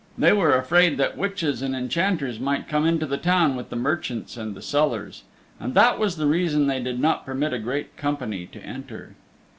They were afraid that witches and enchanters might come into the town with the merchants and the sellers, and that was the reason they did not permit a great company to enter.